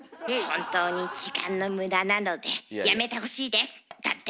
「本当に時間の無駄なのでやめてほしいです」だって。